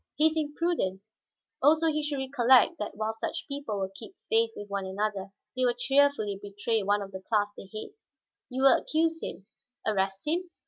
He is imprudent. Also he should recollect that while such people will keep faith with one another, they will cheerfully betray one of the class they hate." "You will accuse him, arrest him?"